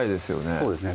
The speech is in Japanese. そうですね